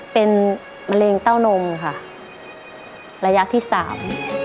เป็นมะเร็งเต้านมค่ะระยะที่สาม